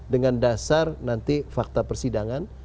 dengan dasar nanti fakta persidangan